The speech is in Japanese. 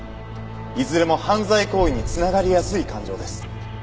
いずれも犯罪行為に繋がりやすい感情です。